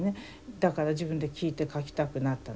だから自分で聴いて書きたくなったんでしょうね。